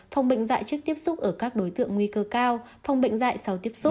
phòng bệnh dại trước tiếp xúc ở các đối tượng nguy cơ cao phòng bệnh dại sau tiếp xúc